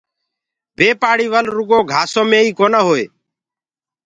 بي پآڙيِ ول رُگو گھآسو مي ئي ڪونآ هئي۔